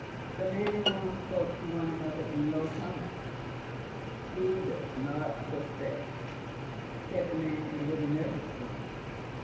The man and woman spoke to one another in low tones. "He does not suspect?" said the man, a little nervously.